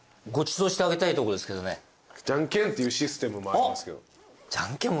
じゃんけんっていうシステムもありますけど。